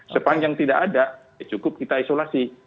sepanjang tidak ada cukup kita isolasi